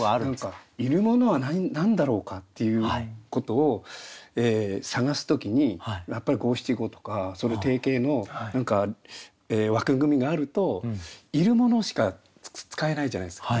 いるものは何だろうかっていうことを探す時にやっぱり五七五とか定型の何か枠組みがあるといるものしか使えないじゃないですか。